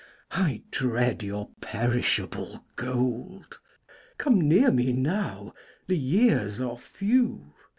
I dread your perishable gold: Come near me now; the years are few.